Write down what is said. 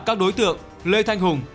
các đối tượng lê thanh hùng